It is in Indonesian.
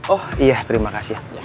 oh iya terima kasih